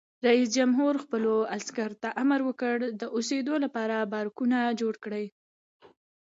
رئیس جمهور خپلو عسکرو ته امر وکړ؛ د اوسېدو لپاره بارکونه جوړ کړئ!